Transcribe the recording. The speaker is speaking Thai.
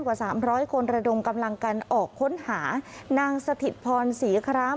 กว่า๓๐๐คนระดุมกำลังกันออกค้นหานางสถิตภรณ์ศรีคร้าว